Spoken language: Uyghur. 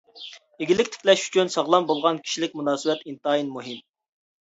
ئىگىلىك تىكلەش ئۈچۈن ساغلام بولغان كىشىلىك مۇناسىۋەت ئىنتايىن مۇھىم.